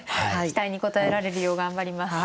期待に応えられるよう頑張ります。